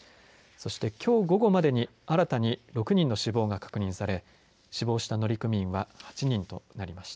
そして、きょう午後までに新たに６人の死亡が確認され死亡した乗組員は８人となりました。